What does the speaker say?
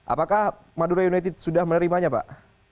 apakah madura united sudah menerimanya pak